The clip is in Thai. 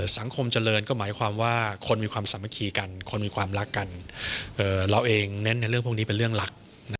สังคมเจริญก็หมายความว่าคนมีความสามัคคีกันคนมีความรักกันเราเองเน้นในเรื่องพวกนี้เป็นเรื่องหลัก